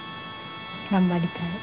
頑張りたい。